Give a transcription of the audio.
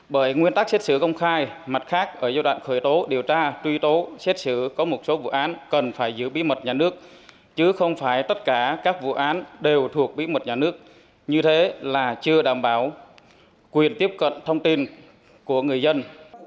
bởi nguyên tắc xét xử công khai mặt khác ở giai đoạn khởi tố điều tra truy tố xét xử có một số vụ án cần phải giữ bí mật nhà nước chứ không phải tất cả các vụ án đều thuộc với một nhà nước như thế là chưa đảm bảo quyền tiếp cận thông tin của người dân